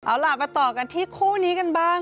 เอาล่ะมาต่อกันที่คู่นี้กันบ้าง